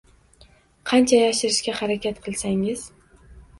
qancha yashirishga harakat qilsangiz